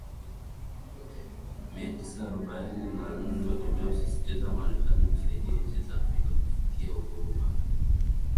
mia tisa arobaini na nne uliosisitiza Marekani kusaidia nchi za Afrika kufikia uhuru baada